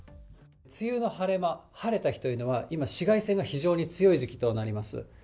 梅雨の晴れ間、晴れた日というのは、今、紫外線が非常に強い時期となります。